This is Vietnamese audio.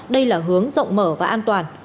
đây là hướng rộng mở và an toàn